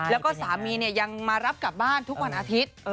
แล้วก็สามียังมารับกลับบ้านทุกวันอาทิตย์